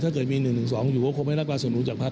ถ้าเกิดมี๑๑๒อยู่ผมให้รับการสนุนจากพัก